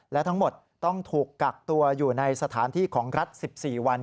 และทั้งหมดต้องถูกกักตัวอยู่ในสถานที่ของรัฐ๑๔วัน